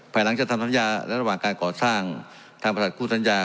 หลังจากทำสัญญาระหว่างการก่อสร้างทางประหลัดคู่สัญญา